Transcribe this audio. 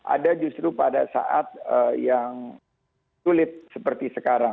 ada justru pada saat yang sulit seperti sekarang